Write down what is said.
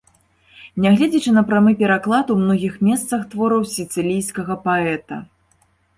Нягледзячы на прамы пераклад у многіх месцах твораў сіцылійскага паэта.